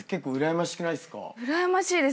うらやましいです。